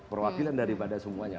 perwakilan daripada semuanya